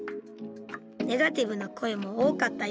ネガティブな声も多かったようで。